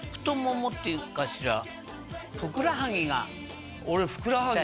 太ももっていうかしらふくらはぎが痛い。